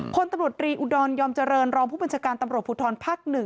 พลตำรวจรีอุดรยอมเจริญรองผู้บัญชาการตำรวจภูทรภาค๑